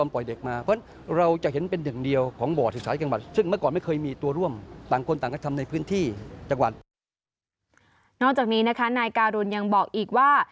นอกจากนี้นะคะนายการุณยังบอกอีกว่า